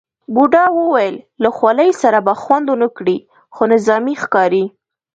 بوډا وویل له خولۍ سره به خوند ونه کړي، خو نظامي ښکاري.